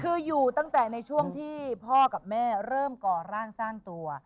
คืออยู่ตั้งแต่ในช่วงที่พ่อกับแม่เริ่มก่อร่างสร้างตัว